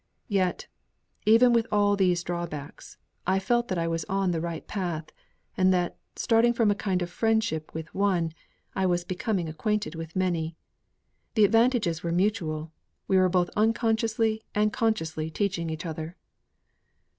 Yet, even with all these drawbacks, I felt that I was on the right path, and that, starting from a kind of friendship with one, I was becoming acquainted with many. The advantages were mutual: we were both unconsciously and consciously teaching each other."